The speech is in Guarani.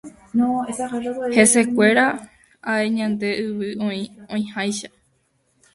Hesekuéra ae ñande yvy oĩ oĩháicha.